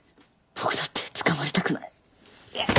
僕だって捕まりたくない。